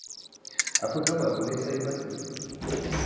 Apa khabar boleh saya bantu?